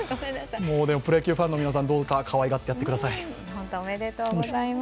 プロ野球ファンの皆さん、どうかかわいがってやってください。